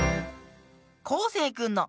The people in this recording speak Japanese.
こうせいくんの。